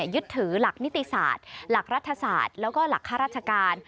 ยึดถือหลักนิติศาสตร์หลักรัฐศาสตร์แล้วก็หลักข้าราชการ